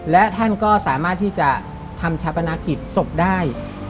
และท่านก็สามารถที่จะทำชาปนากิจศพได้